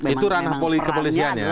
itu ranah kepolisian ya